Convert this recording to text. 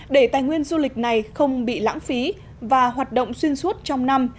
để tài nguyên du lịch này không bị lãng phí và hoạt động xuyên suốt trong năm